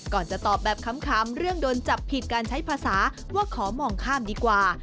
จะตอบแบบคำเรื่องโดนจับผิดการใช้ภาษาว่าขอมองข้ามดีกว่า